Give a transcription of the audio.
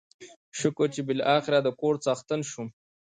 شکر چې بلاخره دکور څښتن شوم.